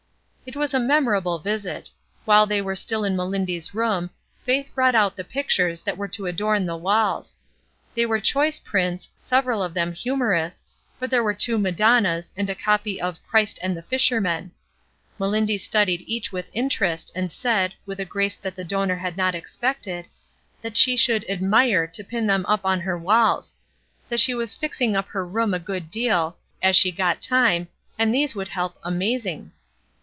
It was a memorable visit. While they were still in Mehndy's room, Faith brought out the pictures that were to adorn the walls. They were choice prints, several of them humorous, but there were two Madonnas, and a copy of " Christ and the Fishermen." Melindy studied each with interest, and said, with a grace that the donor had not expected, that she should MELINDY 201 '^admire" to pin them up on her walls; that she was fixing up her roona a good deal, as she got time, and these would help "amazing."